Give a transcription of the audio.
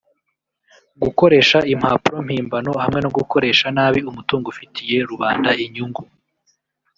gukoresha impapuro mpimbano hamwe no gukoresha nabi umutungo ufitiye rubanda inyungu